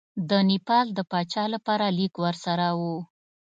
د نیپال د پاچا لپاره لیک ورسره وو.